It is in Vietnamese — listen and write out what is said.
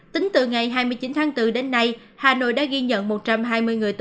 tính từ ngày hai mươi chín tháng bốn đến nay hà nội đã ghi nhận một trăm hai mươi người tử vong